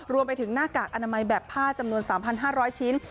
รวมไปถึงหน้ากากอนามัยแบบผ้าจำนวน๓๕๐๐ชิ้น